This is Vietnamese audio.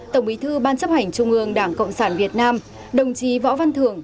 tổng bí thư ban chấp hành trung ương đảng cộng sản việt nam đồng chí võ văn thưởng